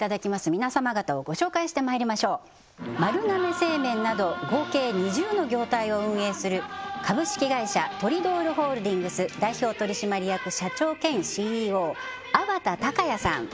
皆様方をご紹介してまいりましょう丸亀製麺など合計２０の業態を運営する株式会社トリドールホールディングス代表取締役社長兼ＣＥＯ粟田貴也さん